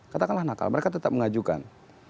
katakanlah nakal mereka tetap mengajukan